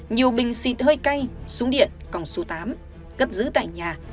nhiều bình xịt hơi cay súng điện còng số tám cất giữ tại nhà